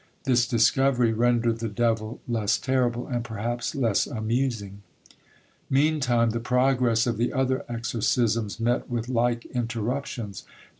This discovery rendered the devil less terrible, and perhaps less amusing. Meantime the progress of the other exorcisms met with like interruptions.